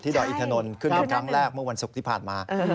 ที่ดอยอิทธานนทร์ครึ่งหนึ่งครั้งแรกเมื่อวันศุกร์ที่ผ่านมา